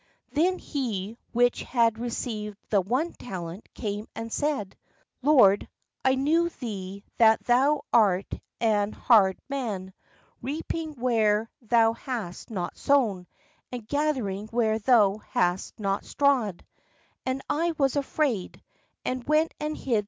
Then he which had re ceived the one talent came and said: " Lord, I knew thee that thou art an hard man, reap ing where thou hast not sown, and gathering where thou hast not strawed: N THE TALENTS where I have not strawed.